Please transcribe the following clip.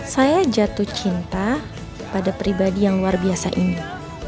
saya jatuh cinta pada pribadi yang luar biasa ini